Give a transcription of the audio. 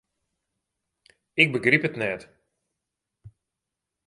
Ik begryp it net.